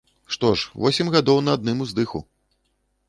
Што ж, восем гадоў на адным уздыху!